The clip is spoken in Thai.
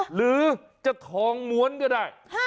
หรือจะทองม้วนก็ได้